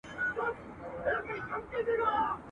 له وړو لویو مرغانو له تنزرو ..